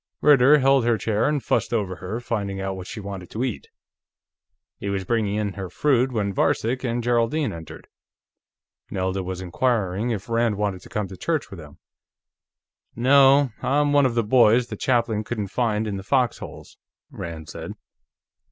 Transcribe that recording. Ritter held her chair and fussed over her, finding out what she wanted to eat. He was bringing in her fruit when Varcek and Geraldine entered. Nelda was inquiring if Rand wanted to come to church with them. "No; I'm one of the boys the chaplain couldn't find in the foxholes," Rand said.